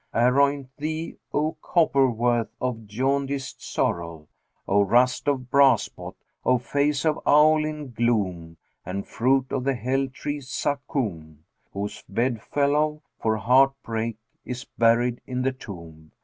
Aroynt thee, O copper worth of jaundiced sorrel, O rust of brass pot, O face of owl in gloom, and fruit of the Hell tree Zakkъm;[FN#384] whose bedfellow, for heart break, is buried in the tomb.